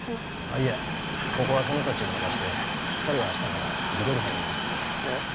いやここは曽根達に任して２人は明日から地取り班に回ってくれえっ？